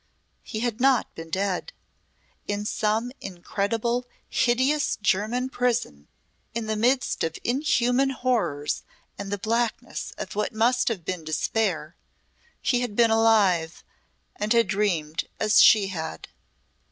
He had not been dead. In some incredibly hideous German prison in the midst of inhuman horrors and the blackness of what must have been despair he had been alive, and had dreamed as she had.